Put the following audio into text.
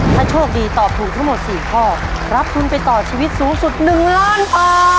ถ้าโชคดีตอบถูกทั้งหมด๔ข้อรับทุนไปต่อชีวิตสูงสุด๑ล้านบาท